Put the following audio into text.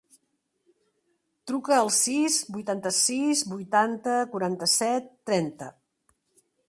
Truca al sis, vuitanta-sis, vuitanta, quaranta-set, trenta.